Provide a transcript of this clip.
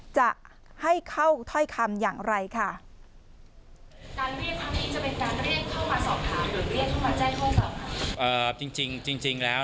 จะให้เข้าถ้อยคำอย่างไรค่ะ